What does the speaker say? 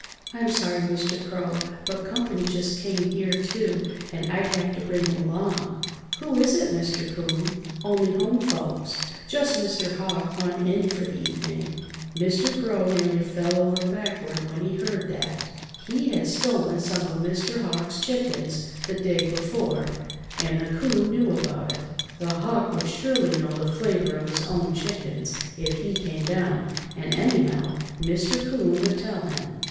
"I'm sorry, Mr. Crow, but comp'ny just came here, too, and I'd have to bring him along." "Who is it, Mr. 'Coon?" "Only home folks. Just Mr. Hawk run in for the evening." [Illustration: MR. CROW NEARLY FELL OVER BACKWARD.] Mr. Crow nearly fell over backward when he heard that. He had stolen some of Mr. Hawk's chickens the day before, and the 'Coon knew about it. The Hawk would surely know the flavor of his own chickens if he came down, and, anyhow, Mr. 'Coon would tell him.